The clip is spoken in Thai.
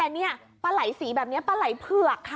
แต่นี่ปลาไหล่สีแบบนี้ปลาไหล่เผือกค่ะ